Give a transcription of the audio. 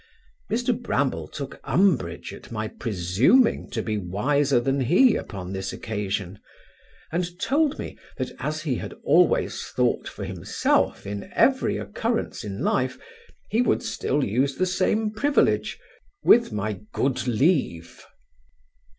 Mr Bramble took umbrage at my presuming to be wiser than he upon this occasion; and told me, that as he had always thought for himself in every occurrence in life, he would still use the same privilege, with my good leave.